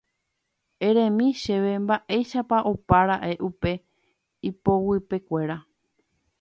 Eremi chéve mba'éichapa opara'e upe ipoguypekuéra